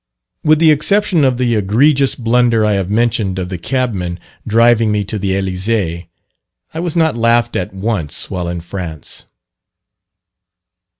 With the exception of the egregious blunder I have mentioned of the cabman driving me to the Elysee, I was not laughed at once while in France.